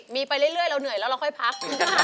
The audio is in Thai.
มีไปเรื่อยเราเหนื่อยแล้วเราค่อยพัก